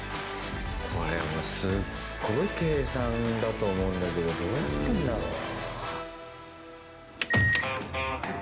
これは、すっごい計算だと思うんだけど、どうやってんだろうな？